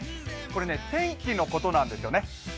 これ天気のことなんですよね。